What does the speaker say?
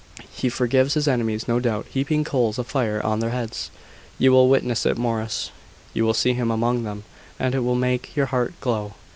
"He forgives his enemies, no doubt, heaping coals of fire on their heads." "You will witness it Morris. You will see him among them, and it will make your heart glow.